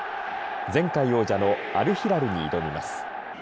前回王者のアルヒラルに挑みます。